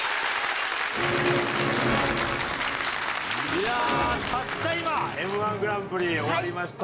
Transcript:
いやあたった今Ｍ−１グランプリ終わりました。